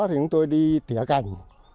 thì chúng tôi đi tỉa cành